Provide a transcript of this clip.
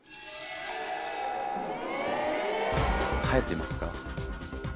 入ってますか？